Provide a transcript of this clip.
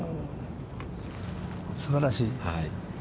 すばらしい。